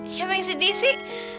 siapa yang sedih sih